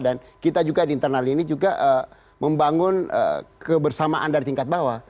dan kita juga di internal ini juga membangun kebersamaan dari tingkat bawah